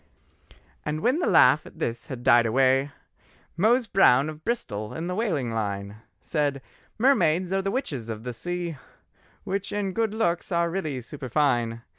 And when the laugh at this had died away, Mose Brown of Bristol in the whaling line Said: "Mermaids are the witches of the sea, Which in good looks are really superfine.